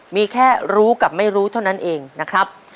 มีแค่รู้กับไม่รู้เท่านั้นเองนะครับ